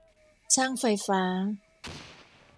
ช่างไฟฟ้า